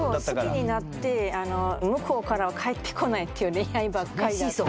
好きになって向こうからは返ってこないという恋愛ばっかりだった。